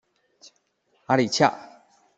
阿里恰。